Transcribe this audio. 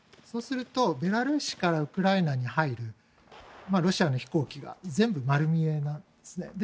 そうすると、ベラルーシからウクライナに入るロシアの飛行機が全部丸見えなんですね。